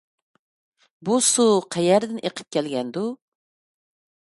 بۇ سۇ قەيەردىن ئېقىپ كەلگەندۇ؟